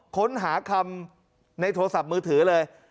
ค้นหาคำในโทรศัพท์มือถือเลย